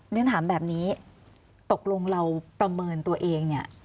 เรียนถามแบบนี้ตกลงเราประเมินตัวเองเนี่ย